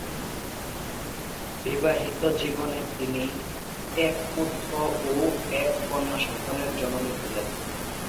বিবাহিত জীবনে তিনি এক পুত্র ও এক কন্যা সন্তানের জননী ছিলেন।